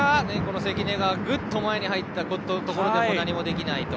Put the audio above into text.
関根がグッと前に入ったところで何もできないと。